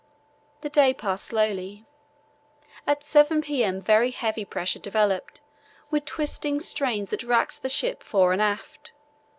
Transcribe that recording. The day passed slowly. At 7 p.m. very heavy pressure developed, with twisting strains that racked the ship fore and aft.